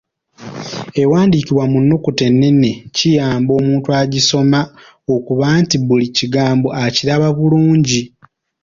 Ewandiikibwa mu nnukuta ennene kiyamba omuntu agisoma okuba nti buli kigambo akiraba bulungi.